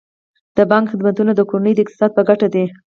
د بانک خدمتونه د کورنیو د اقتصاد په ګټه دي.